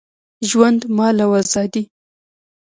ژوند، مال او آزادي